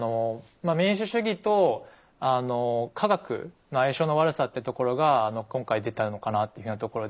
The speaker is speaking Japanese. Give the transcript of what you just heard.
まあ民主主義と科学の相性の悪さっていうところが今回出たのかなというふうなところで。